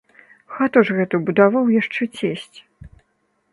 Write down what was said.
Хату ж гэту будаваў яшчэ цесць.